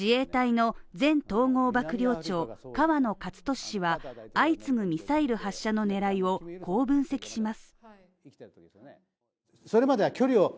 自衛隊の前統合幕僚長の河野克俊氏は相次ぐミサイル発射の狙いをこう分析します。